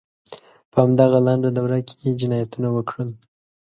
په همدغه لنډه دوره کې یې جنایتونه وکړل.